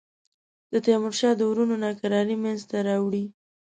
د تیمورشاه د وروڼو ناکراری منځته راوړي.